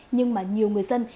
nhưng mà nhiều người dân